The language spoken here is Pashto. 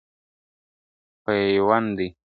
د ميرويس نيکه پيوند دی ..